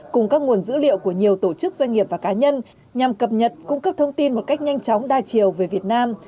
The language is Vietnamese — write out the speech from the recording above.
cùng các nguồn dữ liệu của nhiều tổ chức doanh nghiệp và cá nhân nhằm cập nhật cung cấp thông tin một cách nhanh chóng đa chiều về việt nam